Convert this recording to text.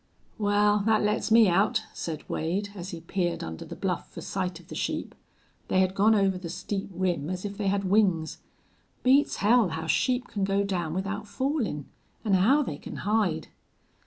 "Well, that lets me out," said Wade, as he peered under the bluff for sight of the sheep. They had gone over the steep rim as if they had wings. "Beats hell how sheep can go down without fallin'! An' how they can hide!"